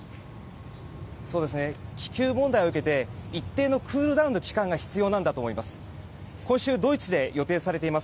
気球問題を受けて一定のクールダウンの期間が必要なんだと思います。